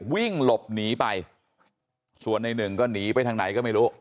วิ่งหลบหนีไปส่วนในหนึ่งก็หนีไปทางไหนก็ไม่รู้